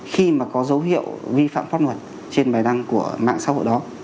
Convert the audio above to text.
khi mà có dấu hiệu vi phạm pháp luật trên bài đăng của mạng xã hội đó